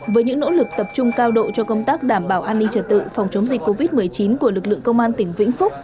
với những nỗ lực tập trung cao độ cho công tác đảm bảo an ninh trật tự phòng chống dịch covid một mươi chín của lực lượng công an tỉnh vĩnh phúc